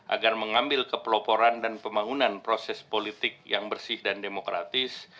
agar mengambil kepeloporan dan pembangunan proses politik yang bersih dan demokratis